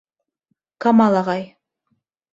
Камал ағай: